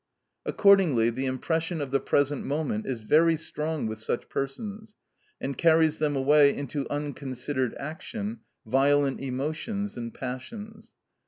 Accordingly the impression of the present moment is very strong with such persons, and carries them away into unconsidered action, violent emotions and passions.